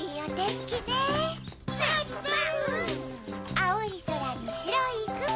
あおいそらにしろいくも。